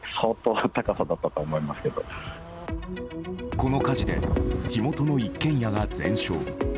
この火事で火元の一軒家が全焼。